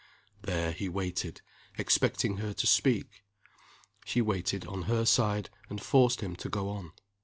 There he waited, expecting her to speak. She waited, on her side, and forced him to go on.